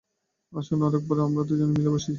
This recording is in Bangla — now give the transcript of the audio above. আসুন, আরেক বার আমরা দুজন মিলে বসি।